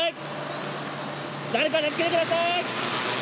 誰か助けてください。